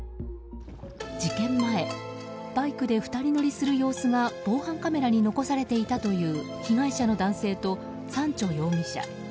事件前バイクで２人乗りする様子が防犯カメラに残されていたという被害者の男性とサンチョ容疑者。